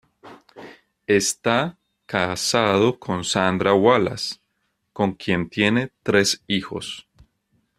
Está casado con Sandra Wallace, con quien tiene tres hijos.